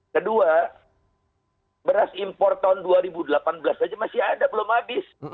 kedua beras impor tahun dua ribu delapan belas saja masih ada belum habis